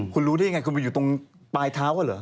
คุณรู้ได้ยังไงคุณไปอยู่ตรงปลายเท้าเขาเหรอ